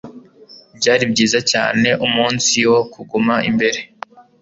Byari byiza cyane umunsi wo kuguma imbere.